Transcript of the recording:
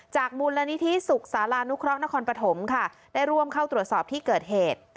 จากมูลนิธิศุกร์สารานุครองนครปฐมค่ะได้รวมเข้าตรวจสอบที่เกิดเหตุ